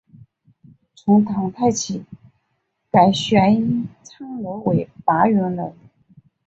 从唐代起改玄畅楼为八咏楼。